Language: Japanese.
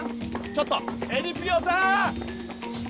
ちょっとえりぴよさん！